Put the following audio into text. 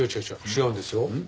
違うんですよ。